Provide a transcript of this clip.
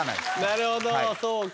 なるほどそうか。